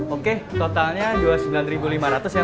oke totalnya rp dua puluh sembilan lima ratus ya mbak ya